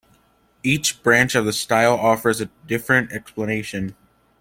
Each branch of the style offers a different explanation.